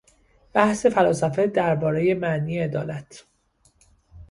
بحث فلاسفه دربارهی معنی عدالت